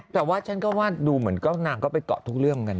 แต่ว่าฉันก็ว่าดูเหมือนนางไปเกาะทุกเรื่องกัน